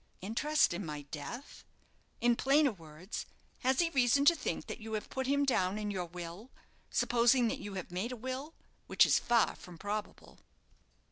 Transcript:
"Interest in my death " "In plainer words, has he reason to think that you have put him down in your will supposing that you have made a will; which is far from probable?"